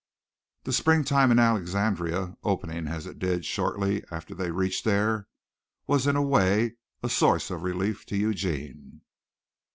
The spring time in Alexandria, opening as it did shortly after they reached there, was in a way a source of relief to Eugene.